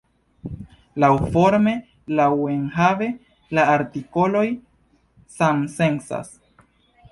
Laŭforme, laŭenhave, la artikoloj samsencas.